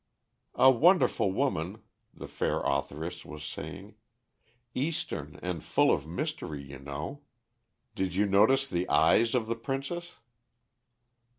"A wonderful woman," the fair authoress was saying. "Eastern and full of mystery, you know. Did you notice the eyes of the Princess?"